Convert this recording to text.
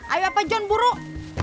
ayo apa jon buruk